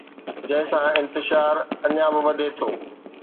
جنهن سان انتشار اڃا به وڌي ٿو